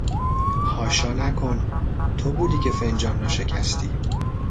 حاشا نکن! تو بودی که فنجان را شکستی!